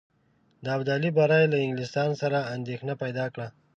د ابدالي بری له انګلیسیانو سره اندېښنه پیدا کړه.